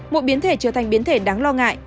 một biến thể trở thành biến thể đáng lo ngại